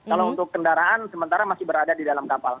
kalau untuk kendaraan sementara masih berada di dalam kapal